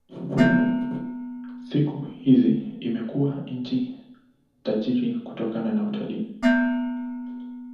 Siku hizi imekuwa nchi tajiri kutokana na utalii.